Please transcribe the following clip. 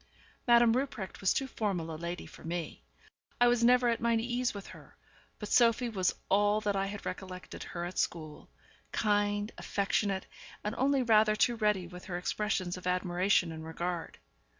Madame Rupprecht was too formal a lady for me; I was never at my ease with her; but Sophie was all that I had recollected her at school: kind, affectionate, and only rather too ready with her expressions of admiration and regard.